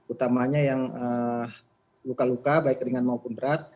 utamanya yang luka luka baik ringan maupun berat